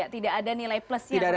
tidak ada nilai plus yang melalui ya